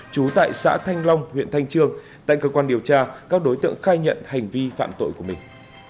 trú tại xã thanh long huyện thanh trương tại cơ quan điều tra các đối tượng khai nhận hành vi phạm tội của mình